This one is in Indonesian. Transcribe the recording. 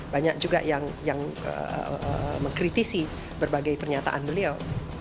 banyak juga yang mengkritisi berbagai pernyataan beliau